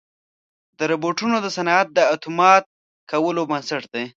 روبوټونه د صنعت د اتومات کولو بنسټ دي.